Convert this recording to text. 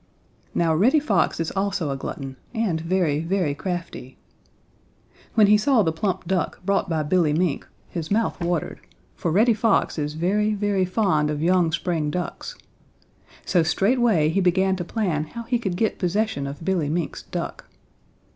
Now Reddy Fox is also a glutton and very, very crafty. When he saw the plump duck brought by Billy Mink, his mouth watered, for Reddy Fox is very, very fond of young spring ducks. So straightway he began to plan how he could get possession of Billy Mink's duck.